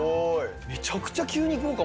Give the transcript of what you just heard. めちゃくちゃ急に豪華。